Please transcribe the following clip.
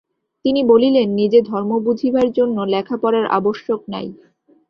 তিনি বলিলেন নিজে ধর্ম বুঝিবার জন্য লেখাপড়ার আবশ্যক নাই।